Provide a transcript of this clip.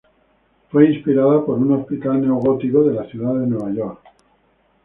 Fue inspirada por un hospital neogótico de la ciudad de Nueva York.